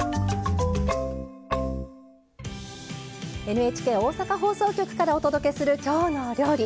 ＮＨＫ大阪放送局からお届けする「きょうの料理」。